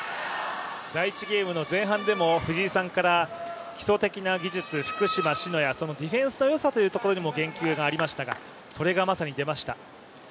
第１ゲームの前半でも藤井さんから福島、篠谷、ディフェンスのよさというところにも言及がありましたがそれがまさに出ました。